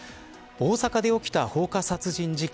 大阪で起きた放火殺人事件。